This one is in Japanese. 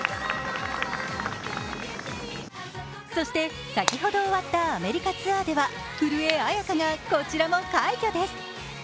そして先ほど終わったアメリカツアーでは古江彩佳がこちらも快挙です。